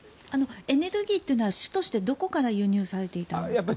エネルギーというのは主としてどこから輸入されていたんですか？